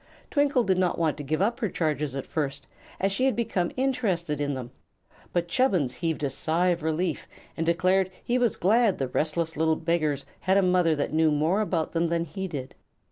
Twinkle did not want to give up her charges at first, as she had become interested in them; but Chubbins heaved a sigh of relief and declared he was glad the "restless little beggars" had a mother that knew more about them than he did.